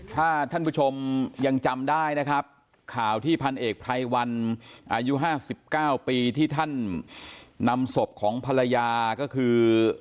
ถ้าท่านผู้ชมยังจำได้นะครับข่าวที่พันเอกไพรวันอายุ๕๙ปีที่ท่านนำศพของภรรยาก็คือ